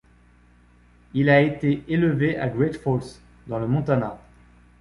Il a été élevé à Great Falls, dans le Montana.